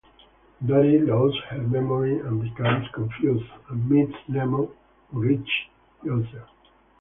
Dory loses her memory and becomes confused, and meets Nemo, who reaches the ocean.